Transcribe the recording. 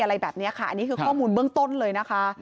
อะไรแบบนี้ค่ะอันนี้คือข้อมูลเบื้องต้นเลยนะคะ